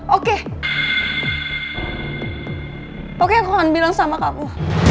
oke pokoknya aku akan bilang sama kamu